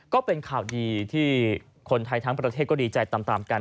ก็เป็นข่าวดีที่คนไทยทั้งประเทศก็ดีใจตามกัน